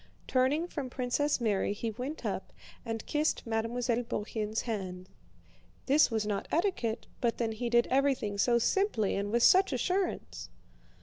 Turning from Princess Mary he went up and kissed Mademoiselle Bourienne's hand. (This was not etiquette, but then he did everything so simply and with such assurance!)